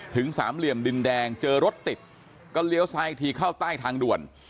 สามเหลี่ยมดินแดงเจอรถติดก็เลี้ยวซ้ายอีกทีเข้าใต้ทางด่วน